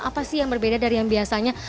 apa sih yang berbeda dari yang biasanya